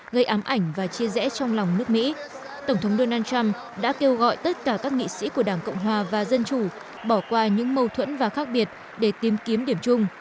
gây ám ảnh và chia rẽ trong lòng nước mỹ tổng thống donald trump đã kêu gọi tất cả các nghị sĩ của đảng cộng hòa và dân chủ bỏ qua những mâu thuẫn và khác biệt để tìm kiếm điểm chung